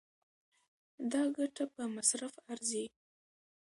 دا ګټه په مصرف ارزي.